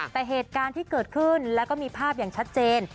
แต่เหตุการณ์ที่เกิดขึ้นแล้วก็มีภาพอย่างชัดเจน